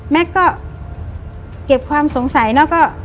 แม็กซ์ก็เก็บความสงสัยนะ